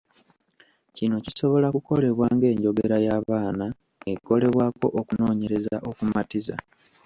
Kino kisobola kukolebwa ng’enjogera y’abaana ekolebwako okunoonyereza okumatiza.